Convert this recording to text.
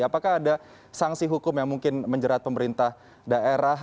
apakah ada sanksi hukum yang mungkin menjerat pemerintah daerah